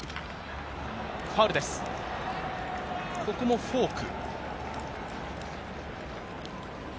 ここもフォーク。